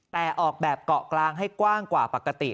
แต่ออกแบบเกาะกลางให้กว้างกว่าปกติ